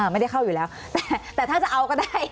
ไม่ได้เข้าอยู่แล้วแต่ถ้าจะเอาก็ได้